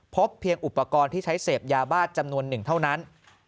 พบเพียงอุปกรณ์ที่ใช้เสพยาบ้าจำนวนหนึ่งเท่านั้น